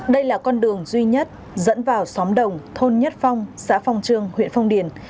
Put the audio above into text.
đây là con đường duy nhất dẫn vào xóm đồng thôn nhất phong xã phong trương huyện phong điền